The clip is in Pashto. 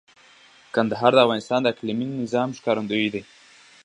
کندهار د افغانستان د اقلیمي نظام ښکارندوی ده.